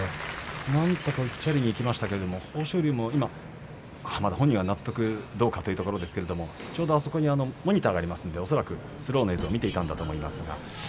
なんとかうっちゃりにいきましたけど、豊昇龍も本人は納得どうかというところですがちょうどモニターがありますので恐らくスローの映像を見ていたんだと思います。